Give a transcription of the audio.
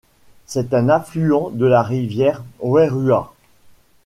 C‘est un affluent de la rivière Wairua.